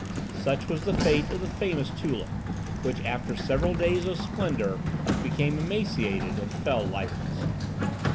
Such was the fate of the famous tulip, which, after several days of splendour, became emaciated, and fell lifeless.